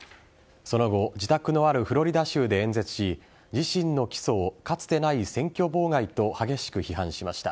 その後自宅のあるフロリダ州で演説し自身の起訴をかつてない選挙妨害と激しく批判しました。